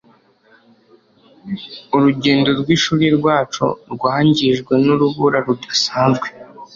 Urugendo rwishuri rwacu rwangijwe nurubura rudasanzwe.